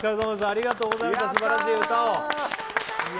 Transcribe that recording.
ありがとうございますすばらしい歌を。